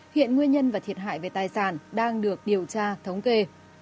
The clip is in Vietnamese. hiện nguyên nhân và thiệt hại về tài sản đang được điều tra thống kê